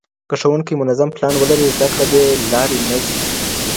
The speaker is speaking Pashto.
که ښوونکی منظم پلان ولري، زده کړه بې لارې نه ځي.